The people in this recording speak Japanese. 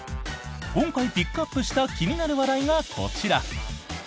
今回ピックアップした気になる話題はこちら。